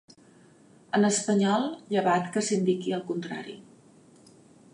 "En espanyol llevat que s'indiqui el contrari:"